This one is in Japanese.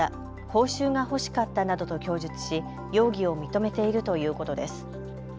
報酬が欲しかったなどと供述し容疑を認めているということです。